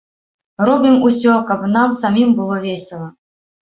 Робім усё, каб нам самім было весела!